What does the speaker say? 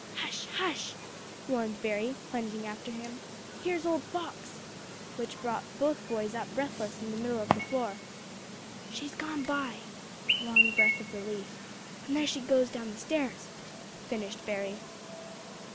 "Hush hush," warned Berry, plunging after him; "here's old Fox," which brought both boys up breathless in the middle of the floor. "She's gone by" a long breath of relief; "and there she goes down the stairs," finished Berry.